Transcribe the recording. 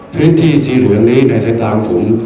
พื้นที่สีเหลืออย่างนี้ในไทยต่างผม